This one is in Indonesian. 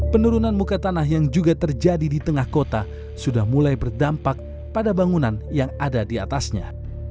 penurunan muka tanah yang juga terjadi di tengah kota sudah mulai berdampak pada bangunan yang ada di atasnya